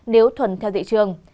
nếu thuần theo thị trường